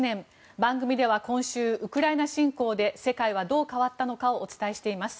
番組では今週、ウクライナ侵攻で世界はどう変わったのかをお伝えしています。